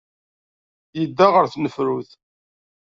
Yedda ɣer tnefrut.